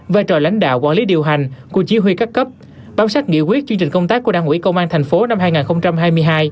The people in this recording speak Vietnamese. vai trò lãnh đạo quản lý điều hành của chí huy các cấp bám sát nghĩa quyết chương trình công tác của đảng ủy công an tp hcm năm hai nghìn hai mươi hai